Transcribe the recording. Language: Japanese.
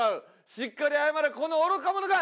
しっかり謝れこの愚か者が！